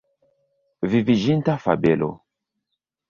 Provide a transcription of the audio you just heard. Viviĝinta fabelo.